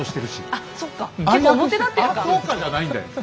「あっそっか」じゃないんだよ。ね？